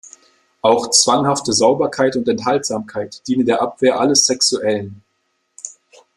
Auch zwanghafte Sauberkeit und Enthaltsamkeit diene der Abwehr alles Sexuellen.